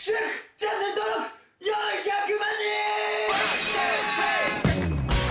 チャンネル登録４００万人！